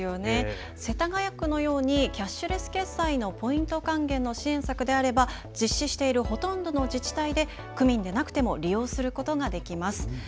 世田谷区のようにキャッシュレス決済のポイント還元の支援策であれば実施しているほとんどの自治体で区民でなくても利用することができます。